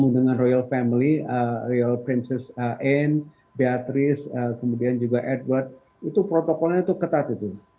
dengan royal family royal princess anne beatris kemudian juga edward itu protokolnya itu ketat itu